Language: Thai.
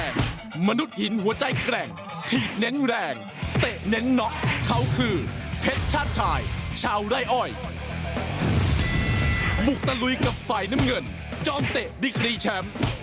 น้ำเงินจอมเตะดิกรีแชมพ์